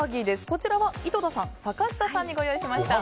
こちらは井戸田さん、坂下さんにご用意しました。